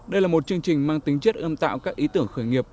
đây là một chương trình mang tính chất ươm tạo các ý tưởng khởi nghiệp